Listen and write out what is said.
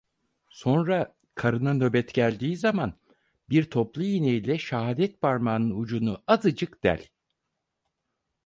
Sonra karına nöbet geldiği zaman bir topluiğneyle şahadetparmağının ucunu azıcık del…